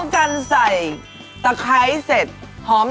ค่าใบมะกรูดล่ะ